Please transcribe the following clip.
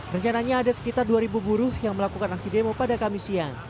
rencananya ada sekitar dua buruh yang melakukan aksi demo pada kamis siang